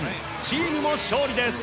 チームも勝利です。